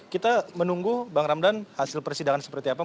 kita menunggu bang ramdan hasil persidangan seperti apa